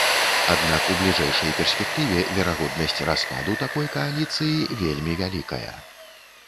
Аднак у бліжэйшай перспектыве верагоднасць распаду такой кааліцыі вельмі вялікая.